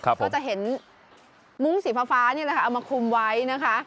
ก็จะเห็นมุ้งสีฟ้านี่แหละค่ะเอามาคุมไว้นะคะ